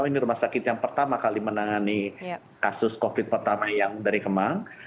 ini rumah sakit yang pertama kali menangani kasus covid pertama yang dari kemang